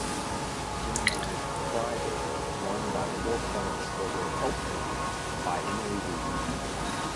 Jemini's "Cry Baby" won by four points over "Help Me" by Emily Reed.